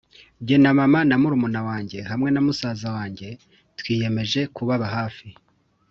“Jye na mama na murumuna wanjye hamwe na musaza wanjye twiyemeje kubaba hafi